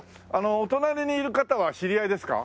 お隣にいる方は知り合いですか？